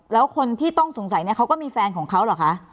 แล้วคนที่ต้องสงสัยเนี่ยเขาก็มีแฟนของเขาเหรอคะ